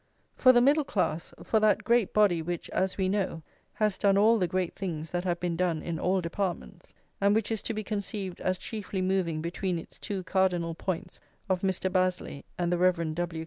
For the middle class, for that great body which, as we know, "has done all the great things that have been done in all departments," and which is to be conceived as chiefly moving between its two cardinal points of Mr. Bazley and the Rev. W.